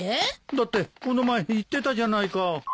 だってこの前言ってたじゃないか。